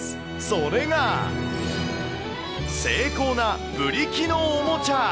それが、精巧なブリキのおもちゃ。